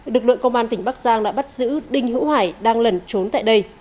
lực lượng công an tỉnh bắc giang đã bắt giữ đinh hữu hải đang lẩn trốn tại đây